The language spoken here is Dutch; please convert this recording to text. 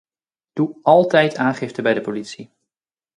Doe altijd aangifte bij de politie.